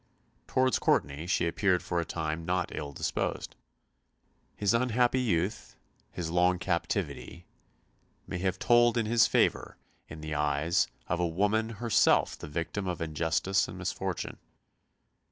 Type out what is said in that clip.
Towards Courtenay she appeared for a time not ill disposed. His unhappy youth, his long captivity, may have told in his favour in the eyes of a woman herself the victim of injustice and misfortune.